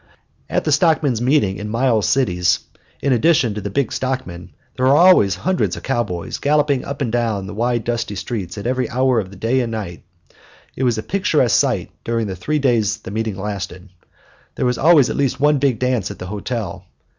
At the stockmen's meeting in Miles City, in addition to the big stockmen, there were always hundreds of cowboys galloping up and down the wide dusty streets at every hour of the day and night. It was a picturesque sight during the three days the meetings lasted. There was always at least one big dance at the hotel.